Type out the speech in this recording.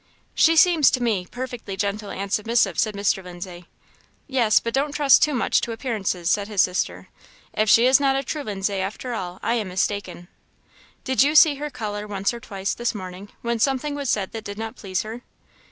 "She seems to me perfectly gentle and submissive," said Mr. Lindsay. "Yes, but don't trust too much to appearances," said his sister. "If she is not a true Lindsay, after all, I am mistaken. Did you see her colour once or twice this morning when something was said that did not please her?"